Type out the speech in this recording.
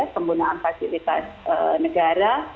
pembunaan fasilitas negara